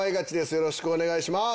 よろしくお願いします。